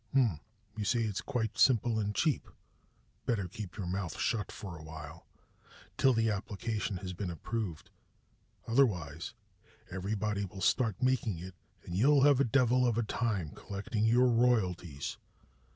Hm you say it's quite simple and cheap? Better keep your mouth shut for a while, till the application has been approved. Otherwise everybody will start making it, and you'll have a devil of a time collecting your royalties.